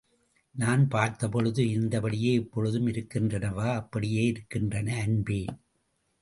நான் பார்த்தபொழுது இருந்தபடியே இப்பொழுதும் இருக்கின்றனவா? அப்படியே இருக்கின்றன அன்பே!